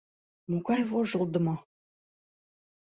— Могай вожылдымо!